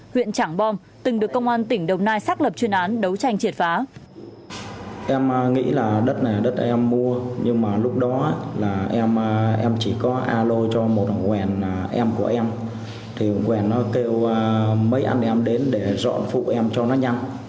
huyện trảng bom từng được công an tỉnh đồng nai xác lập chuyên án đấu tranh triệt phá